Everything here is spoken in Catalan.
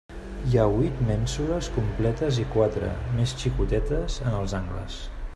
Hi ha huit mènsules completes i quatre, més xicotetes, en els angles.